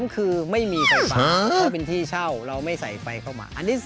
คือไม่มีไฟฟ้าถ้าเป็นที่เช่าเราไม่ใส่ไฟเข้ามา